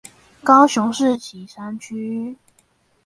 高雄市旗山區